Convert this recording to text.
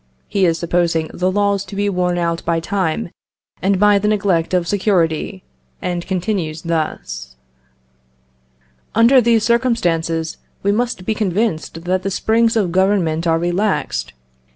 (He is supposing the laws to be worn out by time and by the neglect of security, and continues thus): "Under these circumstances, we must be convinced that the springs of Government are relaxed.